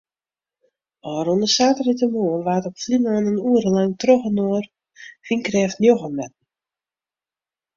Ofrûne saterdeitemoarn waard op Flylân in oere lang trochinoar wynkrêft njoggen metten.